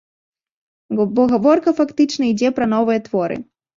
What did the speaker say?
Бо гаворка, фактычна, ідзе пра новыя творы.